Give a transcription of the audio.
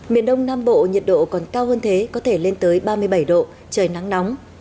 miền đông nam bộ nhiệt độ còn cao hơn thế có thể lên tới ba mươi bảy độ trời nắng nóng